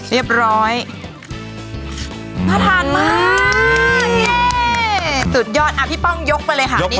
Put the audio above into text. เรียบร้อยน่าทานมากสุดยอดอ่ะพี่ป้องยกไปเลยค่ะนี่